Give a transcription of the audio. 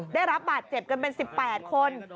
ได้รับบาดเจ็บกันเป็น๑๘คน